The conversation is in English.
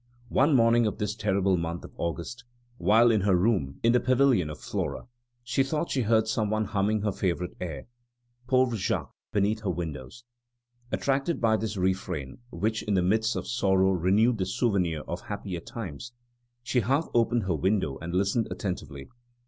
One morning of this terrible month of August, while in her room in the Pavilion of Flora, she thought she heard some one humming her favorite air, Pauvre Jacques, beneath her windows. Attracted by this refrain, which in the midst of sorrow renewed the souvenir of happier times, she half opened her window and listened attentively.